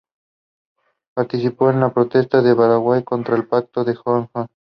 Participó en la Protesta de Baraguá contra el Pacto del Zanjón.